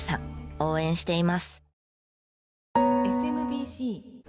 応援しています！